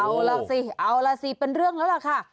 เอาล่ะสิเอาล่ะสิเป็นเรื่องแล้วล่ะค่ะ